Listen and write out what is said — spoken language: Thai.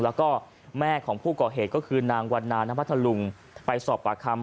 แล้วก็แม่ของผู้ก่อเหตุก็คือนางวันนานพัทธลุงไปสอบปากคำ